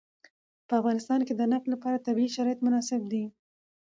په افغانستان کې د نفت لپاره طبیعي شرایط مناسب دي.